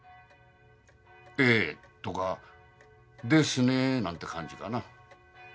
「えぇ」とか「ですね」なんて感じかな。